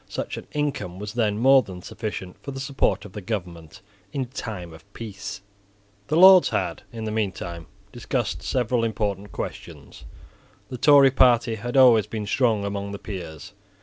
Such an income was then more than sufficient for the support of the government in time of peace. The Lords had, in the meantime, discussed several important questions. The Tory party had always been strong among the peers.